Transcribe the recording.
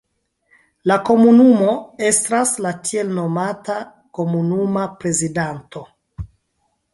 La komunumon estras la tiel nomata komunuma prezidanto.